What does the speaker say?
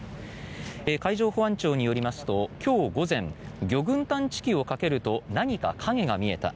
海上保安庁によりますと今日午前魚群探知機をかけると何か影が見えた。